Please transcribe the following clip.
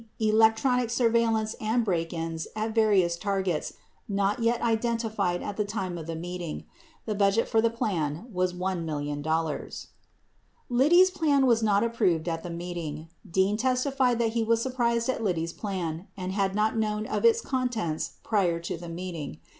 Electronic surveillance and break ins at various targets not yet identified at the time of the meeting. The budget for the plan was $1 million. 50 Liddy's plan was not approved at the meeting. Dean testified that he was surprised at Liddy's plan and bad not known of its contents prior to the meeting.